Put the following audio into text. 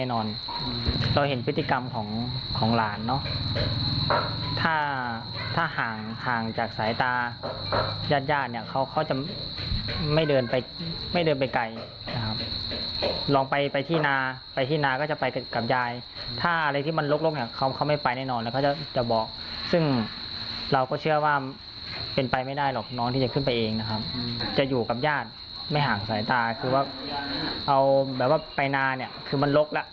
เราเห็นพฤติกรรมของของหลานเนอะถ้าถ้าห่างห่างจากสายตายาดญาติเนี่ยเขาเขาจะไม่เดินไปไม่เดินไปไกลนะครับลองไปไปที่นาไปที่นาก็จะไปกับยายถ้าอะไรที่มันลกอย่างเขาเขาไม่ไปแน่นอนแล้วเขาจะจะบอกซึ่งเราก็เชื่อว่าเป็นไปไม่ได้หรอกน้องที่จะขึ้นไปเองนะครับจะอยู่กับญาติไม่ห่างสายตาคือว่าเอาแบบว่าไปนาเนี่ยคือมันลกแล้ว